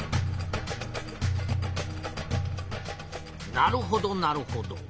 なるほどなるほど。